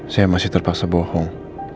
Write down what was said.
saya masih terpaksa bohong